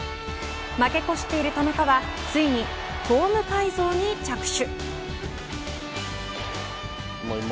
負け越している田中はついに、フォーム改造に着手。